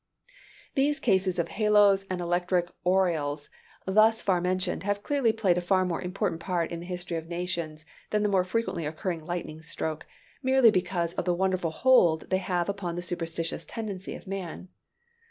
These cases of halos and electric aureoles thus far mentioned, have clearly played a far more important part in the history of nations than the more frequently occurring lightning stroke, merely because of the wonderful hold they have had upon the superstitious tendency of man.